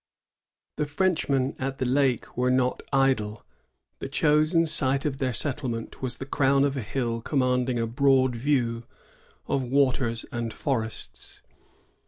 The Frenchmen at the lake were not idle. The chosen site of their settlement was the crown of a hill commanding a broad view of waters and forests.